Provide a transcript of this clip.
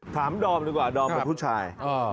ดอมดีกว่าดอมเป็นผู้ชาย